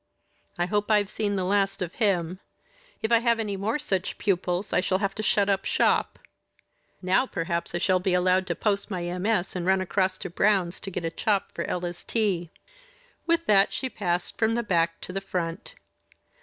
I hope I've seen the last of him. If I have any more such pupils I shall have to shut up shop. Now perhaps I shall be allowed to post my MS. and run across to Brown's to get a chop for Ella's tea." With that she passed from the back to the front.